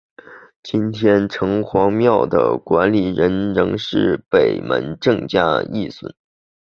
今天城隍庙的管理人仍是北门郑家裔孙。